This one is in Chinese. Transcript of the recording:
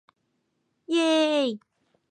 上海日本居留民团的基层组织是町内会。